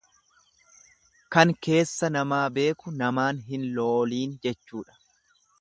Kan keessa namaa beeku namaan hin looliin jechuudha.